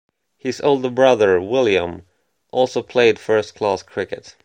His older brother, William, also played first-class cricket.